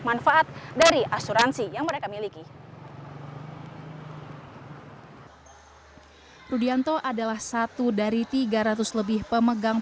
manfaat dari asuransi yang mereka miliki rudianto adalah satu dari tiga ratus lebih pemegang